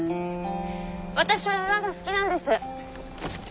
私も馬が好きなんです。